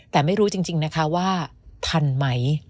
แต่ไม่รู้จริงนะคะว่าทันไหม